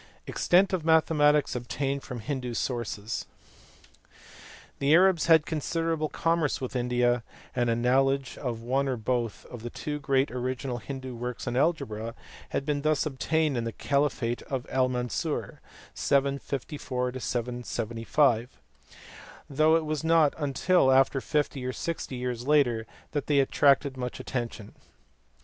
Extent of mathematics obtained from Hindoo sources. The Arabs had considerable commerce with India, and a knowledge of one or both of the two great original Hindoo works on algebra had been thus obtained in the caliphate of Al Mansur (754 775), though it was not until fifty or sixty years later that they attracted much attention.